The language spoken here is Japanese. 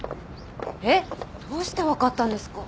えっ？どうして分かったんですか？